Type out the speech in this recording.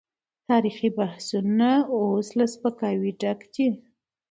تاريخي بحثونه اوس له سپکاوي ډک دي.